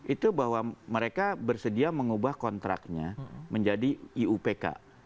itu bahwa mereka bersedia mengubah kontraknya menjadi iupk